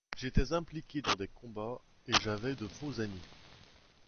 J'étais impliqué dans des combats et j'avais de faux amis...